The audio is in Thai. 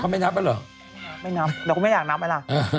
เขาไม่นับได้หรอไม่นับเดี๋ยวพูดไม่อย่างนับไปล่ะ